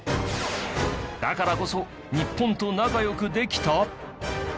だからこそ日本と仲良くできた？